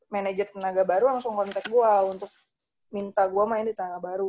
manajer tenaga baru langsung kontak gue untuk minta gue main di tangga baru